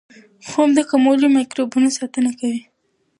خوب د کولمو مایکروبیوم ساتنه کوي.